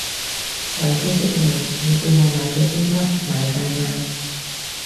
壞消息係，你叫我買嘅冰粒賣晒喇